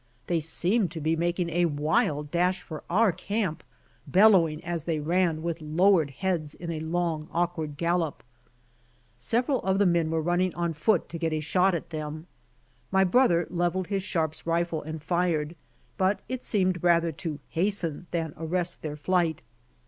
They seemed to be making a wild dash for our camp, bellowing, as they ran with lowered heads in a long awkward gallop. Several of the men were running on foot to get a shot at them. My brother leveled his Sharp's rifle and fired, but it seemed rather to hasten than arrest their flight.